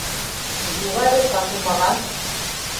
— Юҡ әле, ташылмаған.